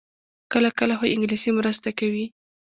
کله کله، خو انګلیسي مرسته کوي